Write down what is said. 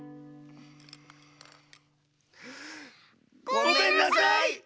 ごめんなさい！